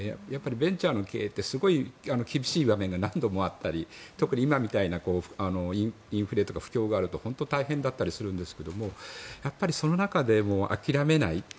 ベンチャーの経営ってすごい厳しい場面が何度もあったり特に今みたいなインフレとか不況があると本当に大変だったりするんですがその中でも諦めない